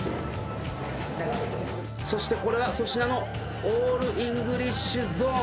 そしてこれは粗品のオールイングリッシュゾーン。